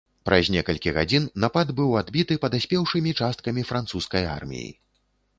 Праз некалькі гадзін напад быў адбіты падаспеўшымі часткамі французскай арміі.